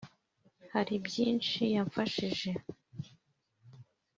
Hari byinshi yamfashije